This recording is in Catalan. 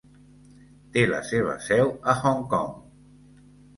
Té la seva seu a Hong Kong.